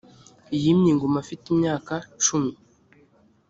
yimye ingoma afite imyaka cumi